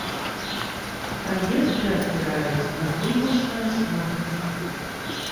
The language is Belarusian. Праекты адбіраюцца на конкурснай аснове.